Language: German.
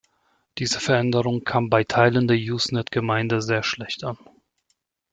Diese Veränderung kam bei Teilen der Usenet-Gemeinde sehr schlecht an.